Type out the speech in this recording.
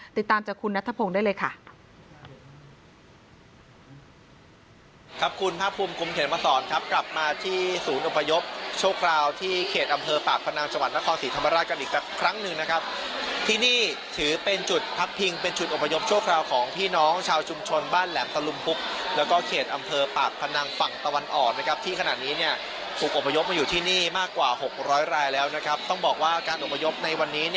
ติดตามจากคุณนัทพงศ์ได้เลยค่ะ